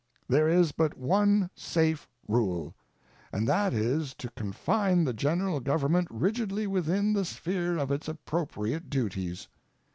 There is but one safe rule, and that is to confine the General Government rigidly within the sphere of its appropriate duties.